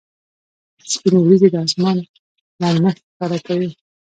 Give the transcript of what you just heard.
سپینې ورېځې د اسمان نرمښت ښکاره کوي.